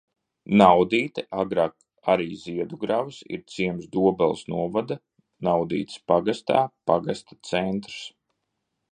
Naudīte, agrāk arī Ziedugravas, ir ciems Dobeles novada Naudītes pagastā, pagasta centrs.